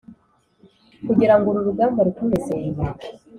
kugirango uru rugamba rukomeze